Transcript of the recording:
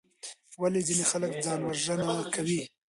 ولې ځینې خلک ځان وژنه کوي؟